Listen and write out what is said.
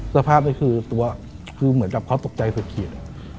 สภาพนี่คือตัวคือเหมือนกับเขาตกใจสุดขีด